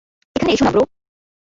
এখানে এসো না ব্রো।